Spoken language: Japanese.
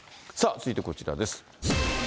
続いてこちらです。